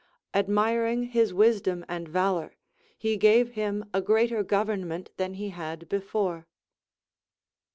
Admiring his wisdom and valor, he gave him a greater government than he had before.